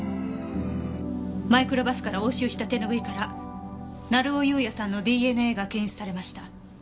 マイクロバスから押収した手ぬぐいから成尾優也さんのＤＮＡが検出されました。